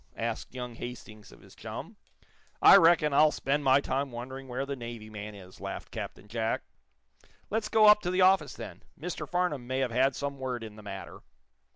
asked young Hastings of his chum. "I reckon I'll spend my time wondering where the Navy man is," laughed Captain Jack. "Let's go up to the office, then. Mr. Farnum may have had some word in the matter."